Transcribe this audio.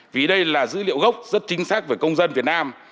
vì đây là dữ liệu gốc rất chính xác với công dân việt nam